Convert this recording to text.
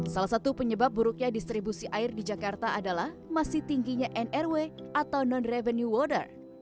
salah satu penyebab buruknya distribusi air di jakarta adalah masih tingginya nrw atau non revenue water